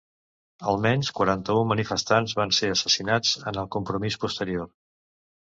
Almenys quaranta-un manifestants van ser assassinats en el compromís posterior.